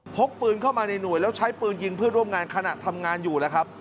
กปืนเข้ามาในหน่วยแล้วใช้ปืนยิงเพื่อนร่วมงานขณะทำงานอยู่แล้วครับ